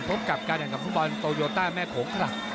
พบกับการแห่งกลางคุมบอลโตโยต้าแม่โขงครับ